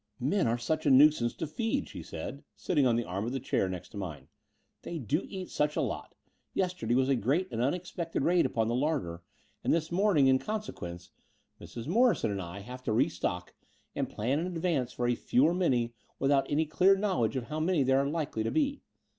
"Men are such a nuisance to feed," she said, sitting on the arm of the chair next to mine; "they do eat such a lot. Yesterday was a great and unexpected raid upon the larder; and this morning, in consequence, Mrs. Morrison and I The Brighton Road 89 have to restock and plan in advance for few or many without any clear knowledge of how many there are likely to be.